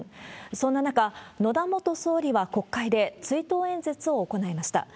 そんな中、野田元総理は国会で、追悼演説を行いました。